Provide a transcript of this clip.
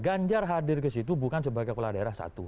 ganjar hadir ke situ bukan sebagai kepala daerah satu